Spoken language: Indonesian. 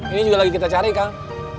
ini juga lagi kita cari kang